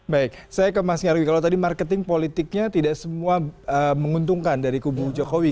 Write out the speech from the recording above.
baik saya ke mas nyarwi kalau tadi marketing politiknya tidak semua menguntungkan dari kubu jokowi